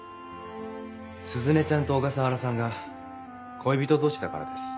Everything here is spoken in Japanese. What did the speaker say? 鈴音ちゃんと小笠原さんが恋人同士だからです。